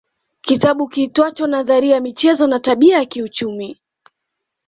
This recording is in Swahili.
Kitabu kiitwacho nadharia ya michezo na tabia ya kiuchumi